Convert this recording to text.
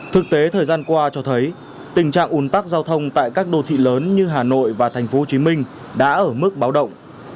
thực tế thời gian qua cho thấy tình trạng ủn tắc giao thông tại các đô thị lớn như hà nội và tp hcm đã ở mức báo động